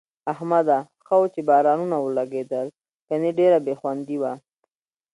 احمده! ښه وو چې بازارونه ولږېدل، گني ډېره بې خوندي وه.